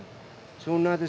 そんなに！？